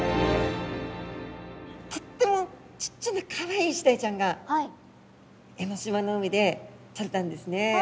とってもちっちゃなかわいいイシダイちゃんが江の島の海でとれたんですね。